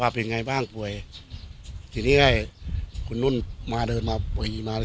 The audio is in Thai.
ว่าเป็นไงบ้างป่วยที่นี่ค่ะคุณนุ่นมาเดินมาปีมาแล้ว